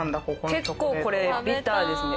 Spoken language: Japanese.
結構これビターですね。